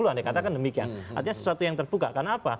artinya sesuatu yang terbuka